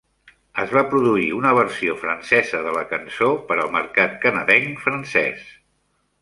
Es va produir una versió francesa de la cançó per al mercat canadenc francès.